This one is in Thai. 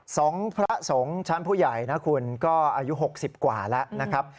พระสงฆ์ชั้นผู้ใหญ่นะคุณก็อายุหกสิบกว่าแล้วนะครับ